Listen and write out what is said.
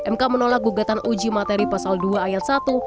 mk menolak gugatan uji materi pasal dua ayat satu